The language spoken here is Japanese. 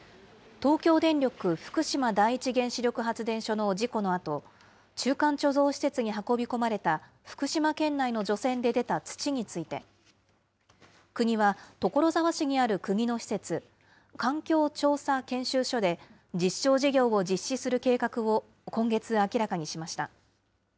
東京電力福島第一原子力発電所の事故のあと、中間貯蔵施設に運び込まれた福島県内の除染で出た土について、国は所沢市にある国の施設、環境調査研修所で、実証事業を実施する計画を今月明らかにしました。